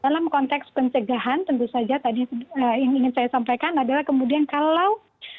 dalam konteks pencegahan tentu saja tadi yang ingin saya sampaikan adalah kemudian kalau